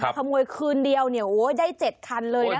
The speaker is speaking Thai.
คโมยคืนเดียวเนี่ยโอ้ยได้๗คันเลยนะคะ